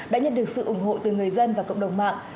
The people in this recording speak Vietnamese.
đã nhận được sự ủng hộ từ người dân và cộng đồng mạng